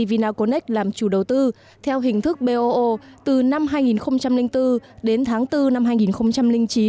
vinaconex làm chủ đầu tư theo hình thức boo từ năm hai nghìn bốn đến tháng bốn năm hai nghìn chín